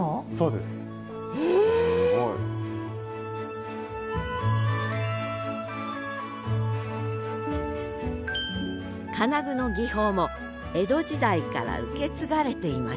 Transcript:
すごい！金具の技法も江戸時代から受け継がれています